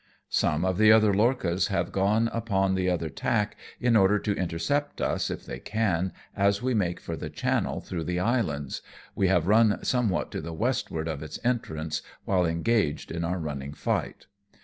Some of the other lorchas have gone upon the other tack in order to intercept us if they can, as we make for the channel through the islands, we having run somewhat to the westward of its entrance while engaged in our running fight.